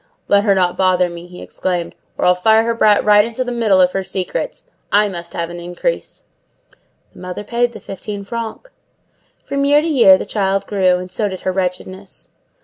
"Let her not bother me," he exclaimed, "or I'll fire her brat right into the middle of her secrets. I must have an increase." The mother paid the fifteen francs. From year to year the child grew, and so did her wretchedness.